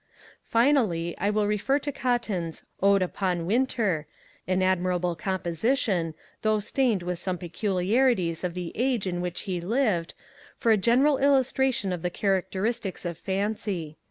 Finally, I will refer to Cotton's Ode upon Winter, an admirable composition, though stained with some peculiarities of the age in which he lived, for a general illustration of the characteristics of Fancy.